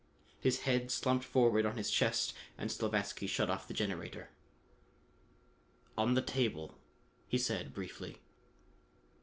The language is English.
His head slumped forward on his chest and Slavatsky shut off the generator. "On the table," he said briefly.